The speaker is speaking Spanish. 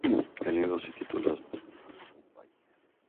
El libro se titula Sonrisas de Bombay.